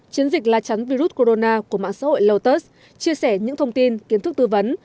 chiến dịch la chắn virus corona của mạng xã hội lotus chia sẻ những thông tin kiến thức tư vấn